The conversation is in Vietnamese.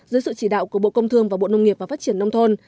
dưới sự chỉ đạo của bộ công thương và bộ nông nghiệp và phát triển nông thôn